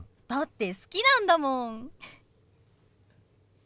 だって好きなんだもん。